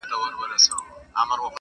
چي قاضي ته چا درنه برخه ورکړله,